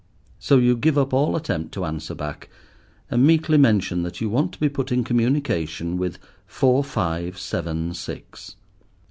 So you give up all attempt to answer back, and meekly mention that you want to be put in communication with four five seven six.